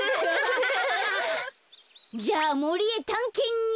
じゃあもりへたんけんに。